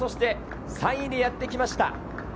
３位でやってきました